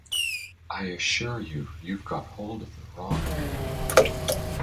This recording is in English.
I assure you, you've got hold of the wrong man.